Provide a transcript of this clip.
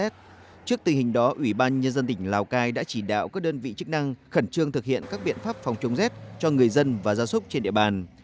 trước tình hình đó ủy ban nhân dân tỉnh lào cai đã chỉ đạo các đơn vị chức năng khẩn trương thực hiện các biện pháp phòng chống rét cho người dân và gia súc trên địa bàn